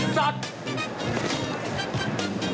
สัตว์